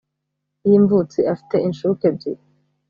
y imvutsi afite inshuke ebyiri